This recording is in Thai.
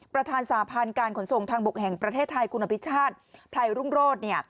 ประธานสาพานการขนส่งทางบกแห่งประเทศไทยกุณฑิชชาติภัยรุ่งโรศ